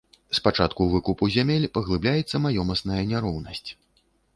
З пачатку выкупу зямель паглыбляецца маёмасная няроўнасць.